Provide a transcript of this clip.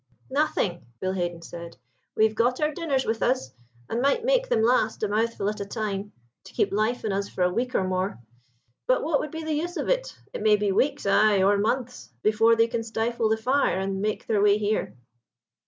"Nothing," Bill Haden said. "We have got our dinners with us, and might make them last, a mouthful at a time, to keep life in us for a week or more. But what would be the use of it? It may be weeks—ay, or months—before they can stifle the fire and make their way here."